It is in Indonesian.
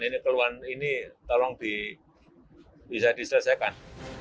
ini keluhan ini tolong bisa diselesaikan